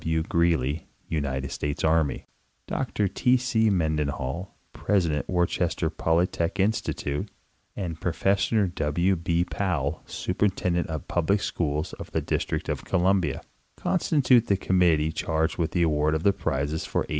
W. Greely, United States Army, Dr T. C. Menden hall, President Worcester Polytechnic Institute, and Professor W. B. Powell, Superintendent of Public Schools of the District of Columbia, constitute the committee charged with the award of the prizes for 1895.